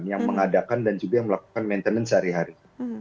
yang mengadakan dan juga yang melakukan maintenance sehari hari